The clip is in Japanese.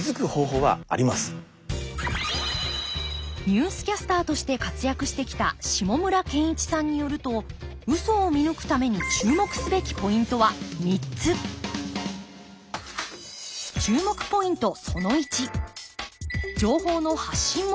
ニュースキャスターとして活躍してきた下村健一さんによるとウソを見抜くために注目すべきポイントは３つ注目ポイント